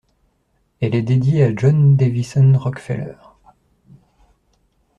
Elle est dédiée à John Davison Rockefeller.